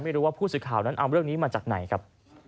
ไม่รู้ว่าผู้สื่อข่าวนั้นเอาเรื่องนี้มาจากไหนครับ